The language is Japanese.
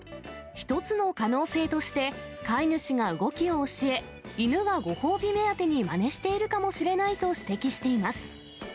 １つの可能性として、飼い主が動きを教え、犬がご褒美目当てにまねしているかもしれないと指摘しています。